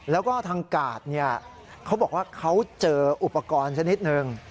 แล้วก็ทางกาดเขาบอกว่าเขาเจออุปกรณ์ชนิดหนึ่ง